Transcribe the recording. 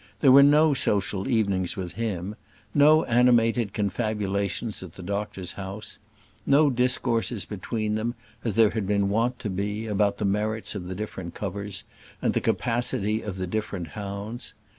There were no social evenings with him; no animated confabulations at the doctor's house; no discourses between them, as there had wont to be, about the merits of the different covers, and the capacities of the different hounds.